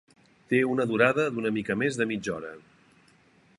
Té una durada d'una mica més de mitja hora.